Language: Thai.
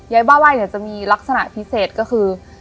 ยายบ้าใบเนี่ยจะมีลักษณะพิเศษก็คือ